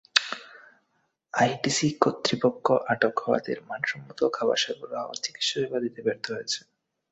IDC কর্তৃপক্ষ আটক হওয়াদের মানসম্মত খাবার সরবরাহ এবং চিকিৎসাসেবা দিতে ব্যর্থ হয়েছে।